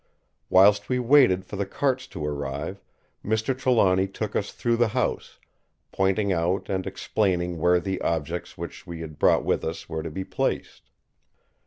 Whilst we waited for the carts to arrive, Mr. Trelawny took us through the house, pointing out and explaining where the objects which we had brought with us were to be placed.